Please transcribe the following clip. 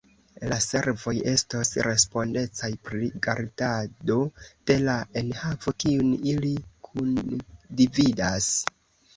La servoj estos respondecaj pri gardado de la enhavo kiun ili kundividas.